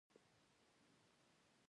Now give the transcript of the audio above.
د نولسمې پېړۍ په ټوله موده کې رکود و.